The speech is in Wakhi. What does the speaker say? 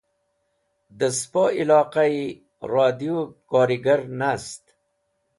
Dẽ spo iloqayi radũw korigar nast.